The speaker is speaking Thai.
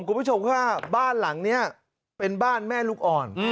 คุณผู้ชมค่ะบ้านหลังนี้เป็นบ้านแม่ลูกอ่อน